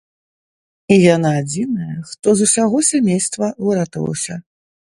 І яна адзіная, хто з усяго сямейства выратаваўся.